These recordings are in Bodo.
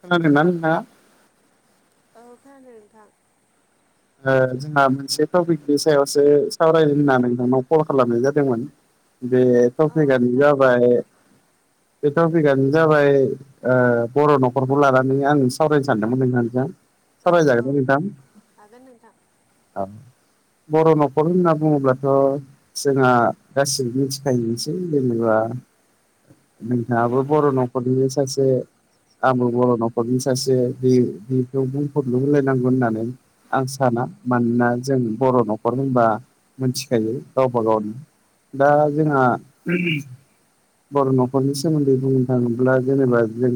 खोनादोंना नोंथाङा? औ खोनादों नोंथां ओ जोंहा मोनसे टपिकनि सायावसो सावरायनो होननानै नोंथांनाव कल खालामनाय जादोंमोन बे औ थफिकयानो नोंथां जाबाय बे टपिकआनो जाबाय ओ बर' न'खरखौ लानानै आं सावरायनो सानदोंमोन नोंथांजों औ सावराय औ जागोनना नोंथां हागोन नोंथां औ बर' न'खर होनना बुङोब्लाथ' जोंहा गासिबो मिथिखायोसै जेनेबा नोंथाङाबो बर' न'खरनि सासे आंबो बर' न'खरनि सासे बे बेखौ बुंहनो हलायनांगौ होननानै आं साना मानोना जों बर' न'खर होनबा मोनथिखायो गावबा गावनो दा जोंहा बर' न'खरनि सोमोनदै बुंनो थाङोब्ला जेनेबा जों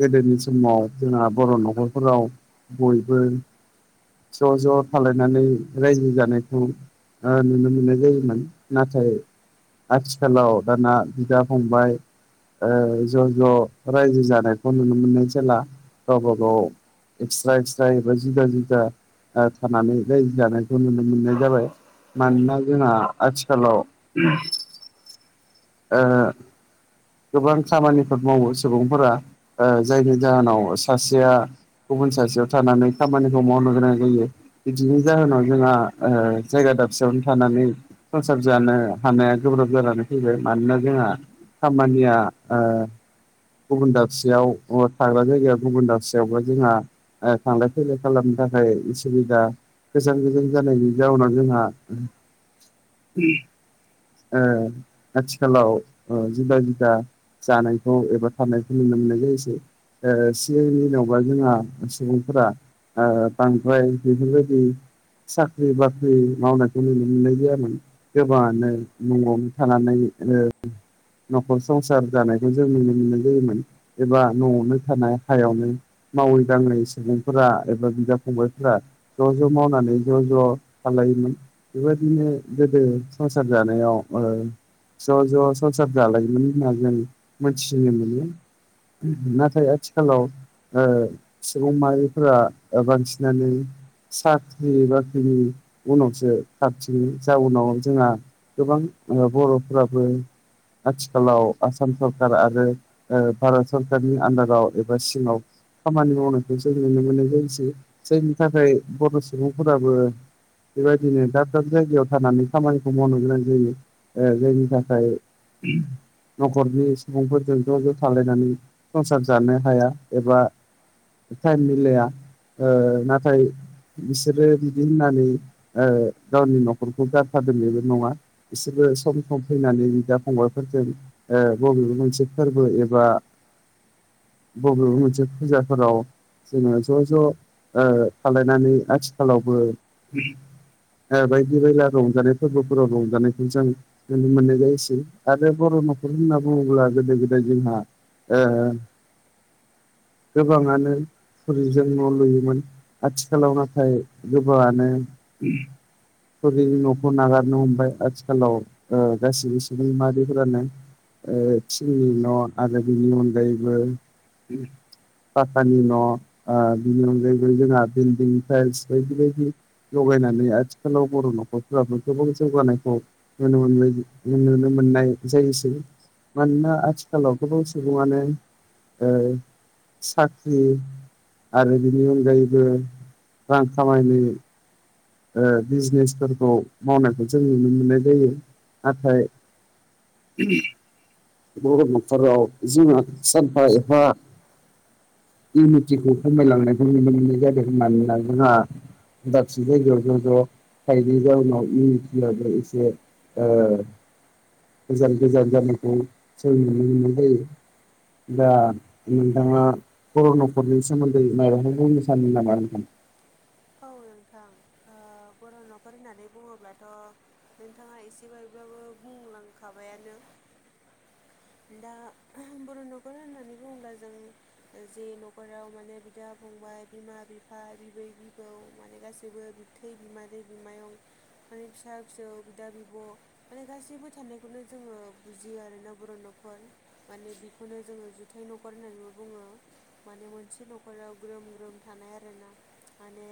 गोदोनि समाव जोंहा बर' न'खरफोराव बयबो ज' ज' थालायनानै रायजो जानायखौ आ नुनो मोननाय जायोमोन नाथाय आथिखालाव दाना बिदा फंबाय ओ ज' ज' रायजो जानायखौ नुनो मोननाय जाला गावबा गाव एक्सट्रा एक्सट्रा एबा जुदा जुदा ओ थानानै रायजो जानायखौ नुनो मोननाय जाबाय मानोना जोंहा आथिखालाव गोबां खामानिफोर मावो सुबुंफोरा जायनि जाहोनाव सासेया गुबुन खामानिखौ मावनो गोनां बिदिनि जाहोनाव जोंहा जायगा दाबसे थानानै संसार जानो हानाया गोब्राब जानानै फैबाय मानोना जोंहा खामानिया गुबुन दाबसेयाव थाग्रा जायगायाव गुबुन दाबसेयावबो जोंहा थांलाय फैलाय खालाम थाखाय उ सुबिदा गोजान गोजान जानायनि जाउनाव जोंहा उ आथिखालाव जिबा बिगा जानायखौ एबा फनाय फनिनो मोननाय जायसै सिगांनि उनावबा जोंहा सुबुंफोरा बांद्राय बेफोरबायदि साख्रि बाख्रि मावनायखौ नुनो मोननाय गैयामोन गोबाङानो न'आवनो थानानै न'खर संसार जानायखौ जों नुनो मोनो एबा न'आवनो थानाय हायावनो मावै दांडै सुबुंफोरा एबा बिदा फंबायफोरा ज' ज' मावनानै ज' ज' खालायोमोन बेबायदिनो गोदो सम संसार जानायाव ज' ज' संसार जालायोमोन होनना जों मिथिनो मोनो उ नाथाय आथिखालाव सुबुं माहारिफोरा बांसिनानो साख्रि बाख्रिनि उनावसो खाथिनि जाउनाव जोंहा गोबां बर'फोराबो आथिखालाव आसाम सरखार आरो भारत सरकारनि आन्दाराव एबा सिंडाव खामानि मावनायखौ जों नुनो मोननाय जसै जायनि थाखाय बर' सुबुंफोराबो बेबायदिनो दाब दाब जायगायाव थानानै खामानिखौ मावनो गोनां जायो जायनि थाखाय न'खरनि सुबुंफोरजों ज' ज सालायनानै संसार जानो हाया एबा टाइम मिलाया ओ नाथाय बिसोरो बिदि होननानै गावनि न'खरखौ गारथारदों बेबो नङा बिसोर सम फैनानै बिदा फंबायफोरजों बबेबा मोनसे फोरबो एबा एबा बबेबा मोनसे फुजाफोराव जोङो ज' ज' थालायनानै आथिखालावबो बायदि बायला रंजानाय फोरबोफोराव रंजानायखौ जों नुनो मोननाय जायोसै आरो बर' न'खर होनना बुङोब्ला गोदो गोदाय जोंहा गोबाङानो थुरिजों न' लुयोमोन आथिखालाव नाथाय गोबाङानो थुरिनि न'खौ नागारनो हमबाय आथिखालाव गासिबो सुबुं माहारिफोरानो थिंनि न' आरो बिनि अनगायैबो पाकानि न' बिनि अनगायै जोंहा बिल्डिं टाइल्स बायदि बायदि जगायनानै आथिखालाव बर' न'खरफ्राबो गोबां जौगानायखौ नुनो मोन मोनो मोननाय जायोसै मानोना आथिखालाव गोबां सुबुङानो साख्रि आरो बिनि अनगायैबो रां खामायनो बिजनेसफोरखौ मावनायखौ जों नुनो मोननाय जायो नाथाय [inaudible] बर' न'खराव जोंहा सानफा एफा इउनिटिखौ खमायलांनायखौ नुनो मोननाय जादों मानोना जोंहा दाबसे जायगायाव ज' ज' थायैनि जाउनाव इउनिटिया एसे गोजान गोजान जानायखौ जों नुनो मोननाय जायो। दा नोंथाङा बर न'खरनि सोमोन्दै माबाफोर बुंनो सानदों नामा नोंथां [inaudible] औ नोंथां बर' न'खर होननानै बुङोब्लाथ' नोंथाङा एसेबाबो बो बुंलांखाबायानो दा बर' न'खर होननानै बुङोब्ला जों जे न'खराव माने बिदा फंबाय बिमा बिफा बिबै बिबौ माने गासैबो बिबथै बिमादै बिमायं माने फिसा फिसौ बिदा बिब माने गासै बो थानायखौनो जोङो बुजियो आरोना बर' न'खर माने बेखौनो जोङो जुथाय न'खर होननानै बुङो माने मोनसे न'खराव ग्रोम ग्रोम थानाय आरोना माने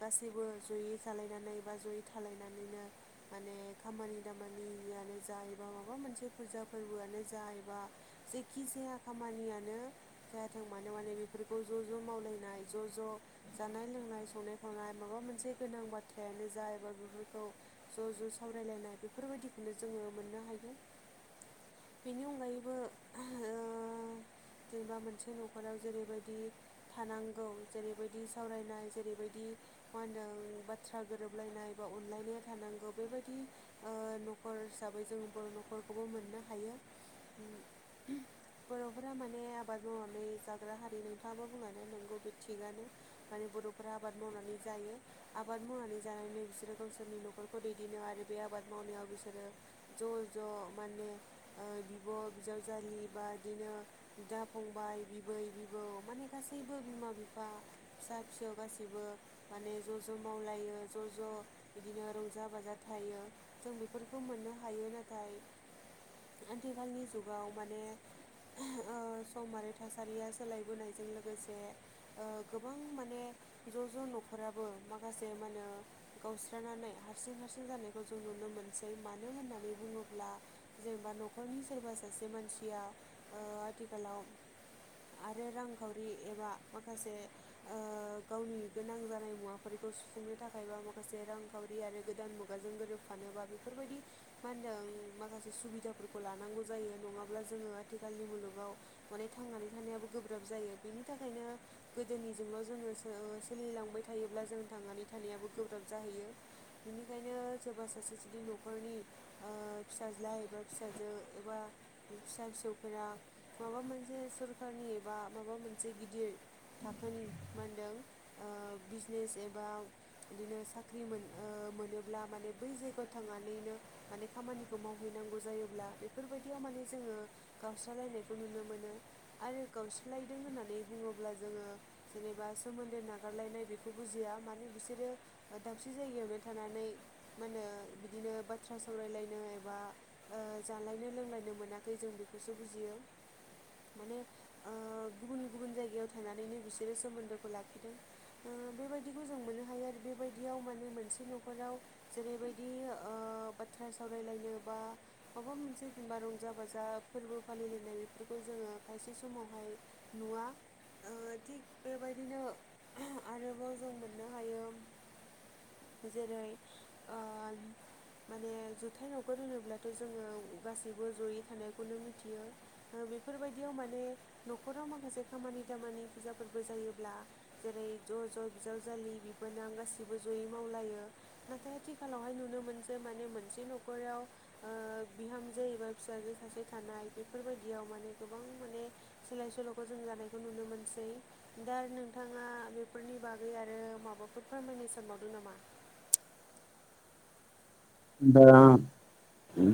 गासैबो जयै जालायनानै बा जयै थालायनानैनो माने खामानि दामानियानो जा एबा माबा मोनसे फुजा फोरबोआनो जा एबा जेखि जा देहा खामानियानो जायाथों मानो माने बेफोरखौ ज ज मावलायनाय ज ज जानाय लोंनाय संनाय खावनाय माबा मोनसे गोनां बाथ्रायानो जा एबा बेफोरखौ ज ज साव रायलायनाय बेफोरबायदिखौनो जोङो मोननो हायो। बेनि अनगायैबो जेनेबा मोनसे न'खराव जेरैबायदि थानांगौ जेरैबायदि सावरायनाय जेरैबायदि मा होनदों बाथ्रा गोरोबलायनाय बा अनलायनाया थानांगौ बेबायदि न'खर हिसाबै जों बर' न'खरखौबो मोननो हायो। [inaudible] बर'फोरा माने आबाद मावनानै जाग्रा हारि नोंथाङाबो बुंलांदों नोंगौ बे थिगानो माने बर'फोरा आबाद मावनानै जायो आबाद मावनानै जानानैनो बिसोरो गावसोरनि न'खरखौ दैदेनो आरो बे आबाद मावनायाव बिसोरो ज ज माने बिब बिजावजालि बा बिदिनो बिदा फंबाय बिबै बिबौ माने गासैबो बिमा बिफा फिसा फिसौ गासिबो माने ज ज मावलायो ज ज बिदिनो रंजा बाजा था जों बेफोरखौ मोननो हायो नाथाय आथिखालनि जुगाव माने सम आरो थासारिया सोलायबोनायजों लोगोसे गोबां माने ज ज न'खराबो माखासे मानो गावस्रानानै हारसिं हार सिं जानायखौ जों नुनो मोनसै मानो होननानै बुङोब्ला जेनेबा न'खरनि सोरबा सासे मानसि मासिया आथिखालाव आरो रांखावरि एबा माखासे ओ गावनि गोनां जानाय मुवाफोरखौ सुफुंनो थाखायबा माखासे रांखावरि आरो गोदान मुगाजों गोरोब फानोबा बेफोरबायदि मा होनदों माखासे सुबिदाफोरखौ लानांगौ जायो नङाब्ला जोङो आथिखाल खालनि मुलुगाव माने थांनानै थानायाबो गोब्राब जायो बेनि थाखायनो गोदोनि जुगाव जोङो सोलिलांबाय थायोब्ला जों थांनानै थानायाबो गोब्राब जाहैयो। बिनिखायनो सोरबा सासे जुदि न'खरनि फिसाज्लााय एबा फिसाजो एबा फिसा फिसौफोरा माबा मोनसे सरखारनि एबा माबा मोनसे गिदिर थाखोनि मा होनदों बिजनेस एबा बिदिनो साख्रि मोन मोनोब्ला माने बै जायगायाव थांनानैनो माने खामानिखौ मावहैनांगौ जायोब्ला बेफोरबायदियाव माने जोङो गावसनायखौ नुनो मोन आरो गावस्रालायदों होननानै बुङोब्ला जोङो जेनेबा सोमोन्दो नागारलायनाय बेखौ बुजिया माने बिसोरो दाबसे जायगायावनो माहोन बिदिनो बाथ्रा सावरायनो एबा जालायनो लों मोनाखै जों बेखौसो बुजियो माने गुबुन गुबुन जायगायाव थानानैनो बिसोरो सोमोन्दोखौ लाखिदों बेबायदिखौ जों मोननो हायो आरो बेबायदियाव माने मोनसे मोनसे न'खराव जेरैबायदि बाथ्रा सावरायलायनो बा माबा मोनसे बा रंजा बाजा फोरबो फालिलायनाय बेफोरखौ जोङो खायसे समावहाय नुवा। थिग बेबायदिनो आरोबाव जों मोननो हायो। जेरै माने जुथाय न'खर होनोब्लाथ जोङो गासैबो जयै थानायखौनो मिथियो। बेफोरबायदियाव माने न'खराव माखासे खामानि दामानि फुजाफोरबो जायोब्ला जेरै ज ज बिजावजालि बिबोनां गाैबो ज मावलायो आथिखालावहाय नुनो मोनो जे मोनसे न'खराव ओ बिहामजो एबा फिसाजो सासे थानाय बेफोरबायदियाव माने गोबां माने सोलाय सोलखौ जों जानाय खौ नुनो मोनसै दा नोंथांङा बेफोरनि बागै आरो माबाफोर फोरमायनो सानबावदों नामा? दा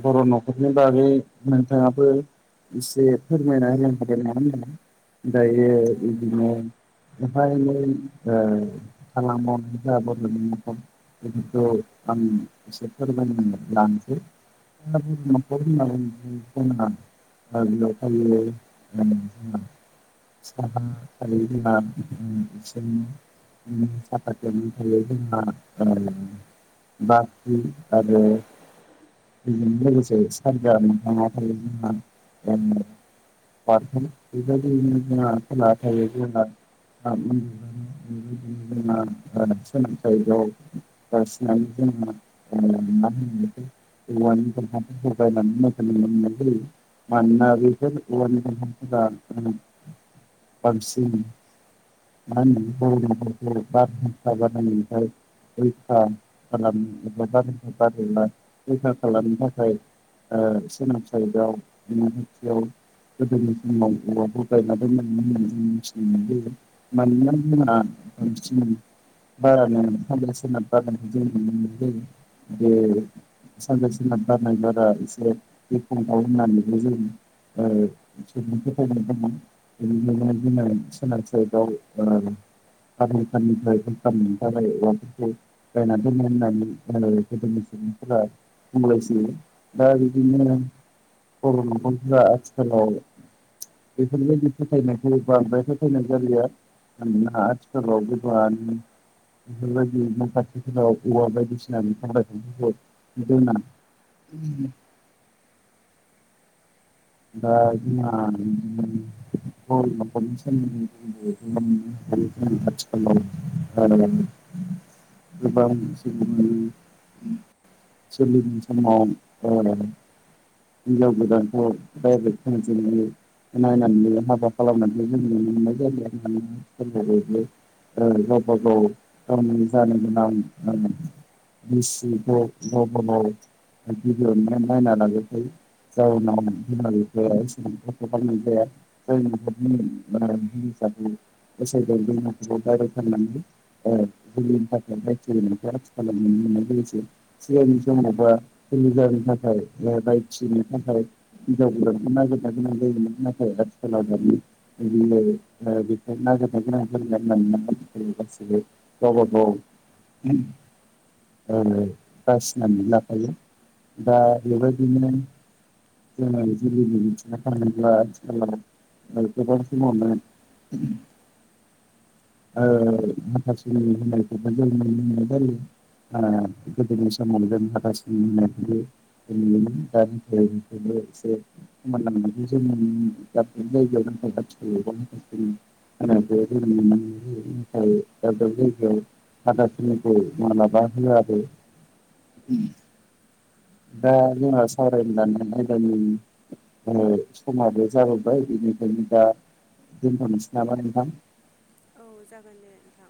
बर' न'खरनि बागै नोंथांङाबो इसे फोरमायना होनो हागोन नङा होनदों। दायो ओम, बिदिनो बेाहाय [unintelligible] [unintelligible] [unintelligible] [unintelligible] [unintelligible] आरो [unintelligible] थायो [unintelligible] दिनो जोंना सोलोंथाइ जासिनानै जों [unintelligible] [inaudible] बायनानै मो मोननाय जायो मानोना बेसोर [unintelligible] [unintelligible] रैखा खालामा एबा रैखा खालामनो थाखाय सोनांसालियावथियाव [unintelligible] गोदोनि जोंनाव औवाबो गायनानै दनानै मिथिनो मोन मानोना जोंहा बारा फान सना बारखौ जों नुनो मोनो। [unintelligible] सिनार गारनाय बारा एसेखुंथ होननानै जों ओ सुबुं दमोन बेनिखायनो जोंना सोनाब साइदाव ओ [unintelligible] निफ्राय जाबायनानै दोनोश होननानै दा गोदोनि सुबुंफोरा बुंलायसोयो दा बिदिनो बर' नखरफोरा आथिखालाव बेफोरबायदि फोथायनायखौ बांद्राय फोथायनाय जलिया मानोना आथिखालाव गोबाङानो बेफोरबायदि न' खाथिफोराव औवा बायदिसिना बिदि [unintelligible] दा [unintelligible] बर' नखरनि सोमोन्दै [unintelligible] [unintelligible] [unintelligible] [unintelligible] आथिखालाव [unintelligible] [unintelligible] [unintelligible] [unintelligible] [unintelligible] [unintelligible] [unintelligible] हिजाव गोदानखौ [unintelligible] नायनानै हाबा खालामनानै जों नुनो मोननाय जायो। [unintelligible] ओ गावबा गावनानै जानो गोनां बिसि [unintelligible] गिदिरनानै नायना लााजिरै जाउनाव [unintelligible] जाया जाय न'खरनि [unintelligible] गसमा बायारनानैनि [unintelligible] थाखाय आथिखाल सिगांनि समावबो जोंनि [unintelligible] थाखाय फिनो थाखाय हिनजाव गोदानखौ नागिरनानै थाखाय आथिखालाव [unintelligible] ओ बेखौ नागेरनो गोनांमोन होननानै गावबा गाव उम ओ बासिनानै लाफायो दा बेबायदिनो [unintelligible] [inaudible] [unintelligible] [unintelligible] [unintelligible] [unintelligible] [unintelligible] उम [inaudible] ओ [unintelligible] होननायखौ जों नुनो मोननाय जायो [unintelligible] [unintelligible] [unintelligible] औ दाब दाब जायगायाव [unintelligible] मालाबा होयाबो ओम दा जोंहा सावरायनो लानाय आयदानि ओ समाबो जाबोबाय बेनिखायनो दा दोनथ'नोसै नामा नोंथां औ जागोन दे नोंथां